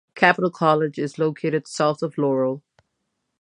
Capitol College is located south of Laurel.